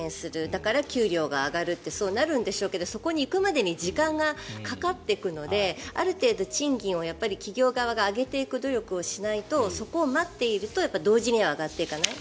だから給料が上がるってそうなるんでしょうけどそこに行くまでに時間がかかっていくのである程度企業側が賃金を上げていく努力をしないとそこを待っていると同時には上がっていない。